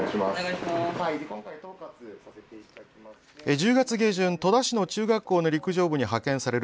１０月下旬戸田市の中学校の陸上部に派遣される